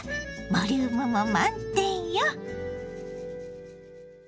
ボリュームも満点よ。